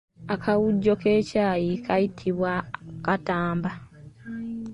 Akawujjo k’ekyayi kayitibwa Katamba.